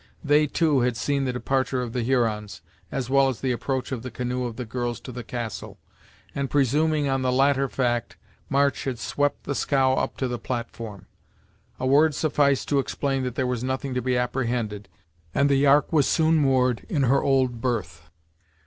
They, too, had seen the departure of the Hurons, as well as the approach of the canoe of the girls to the castle, and presuming on the latter fact, March had swept the scow up to the platform. A word sufficed to explain that there was nothing to be apprehended, and the Ark was soon moored in her old berth.